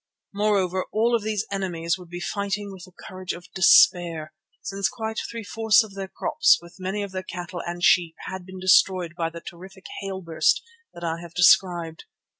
Moreover, all of these enemies would be fighting with the courage of despair, since quite three fourths of their crops with many of their cattle and sheep had been destroyed by the terrific hail burst that I have described.